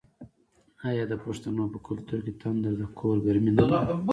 آیا د پښتنو په کلتور کې تندور د کور ګرمي نه ده؟